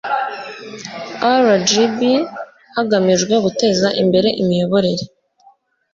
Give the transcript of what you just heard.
rgb hagamijwe guteza imbere imiyoborere